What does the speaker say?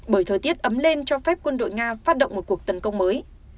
bởi thời tiết ấm lên cho phép quân đội nga phát động một cuộc tấn công mới